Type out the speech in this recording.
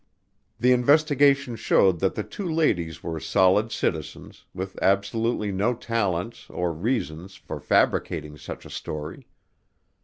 The investigation showed that the two ladies were "solid citizens," with absolutely no talents, or reasons, for fabricating such a story.